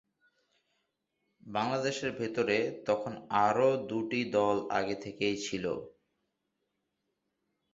বাংলাদেশের ভেতরে তখন আরও দুটি দল আগে থেকেই ছিলো।